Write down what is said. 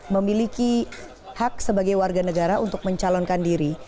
memiliki hak sebagai warga negara untuk mencalonkan diri